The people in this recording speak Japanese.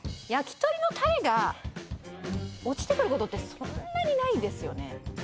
焼き鳥のタレが落ちてくることってそんなにないですよね。